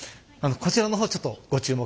こちらの方ちょっとご注目。